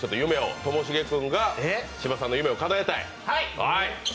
ともしげ君が芝さんの夢をかなえたい。